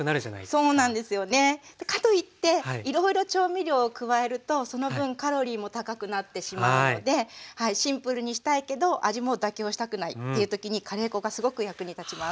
かといっていろいろ調味料を加えるとその分カロリーも高くなってしまうのでシンプルにしたいけど味も妥協したくないっていう時にカレー粉がすごく役に立ちます。